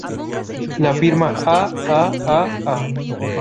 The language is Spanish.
La firma "A.a.a.a.